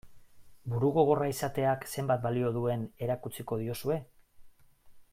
Burugogorra izateak zenbat balio duen erakutsiko diozue?